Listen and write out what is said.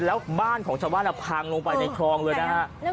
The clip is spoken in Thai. แล้วบ้านของชาวบ้านพังลงไปในคลองเลยนะฮะ